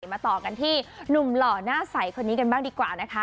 มาต่อกันที่หนุ่มหล่อหน้าใสคนนี้กันบ้างดีกว่านะคะ